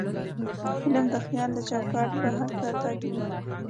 علم د خیال له چوکاټه بهر تګ کوي.